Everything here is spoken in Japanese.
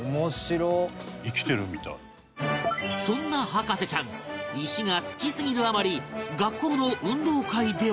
そんな博士ちゃん石が好きすぎるあまり学校の運動会では